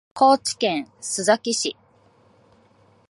高知県須崎市